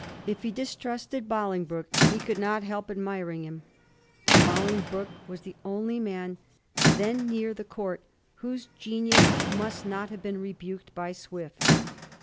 If he distrusted Boling broke he could not help admiring him. Bolingbroke was the only man then near the court whose genius must not have been rebuked by Swift.